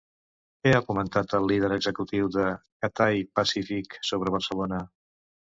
Què ha comentat el líder executiu de Cathay Pacific sobre Barcelona?